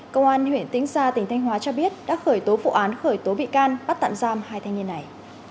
công an huyện tĩnh gia tỉnh thanh hóa cho biết đã khởi tố vụ án khởi tố bị can bắt tạm giam hai thanh niên này